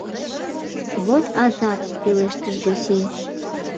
«Вот азап!» — пелештыш Зосим.